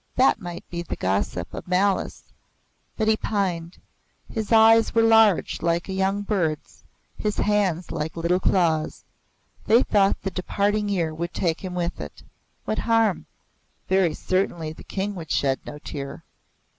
That might he the gossip of malice, but he pined. His eyes were large like a young bird's; his hands like little claws. They thought the departing year would take him with it. What harm? Very certainly the King would shed no tear.